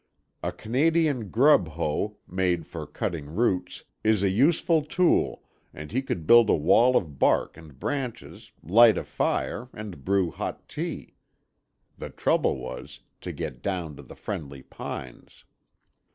A Canadian grub hoe, made for cutting roots, is a useful tool, and he could build a wall of bark and branches, light a fire and brew hot tea. The trouble was, to get down to the friendly pines.